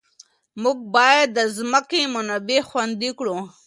موږ باید د ځمکې منابع خوندي کړو.